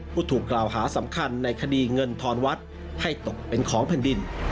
ผู้ถูกกล่าวหาสำคัญในคดีเงินทอนวัดให้ตกเป็นของแผ่นดิน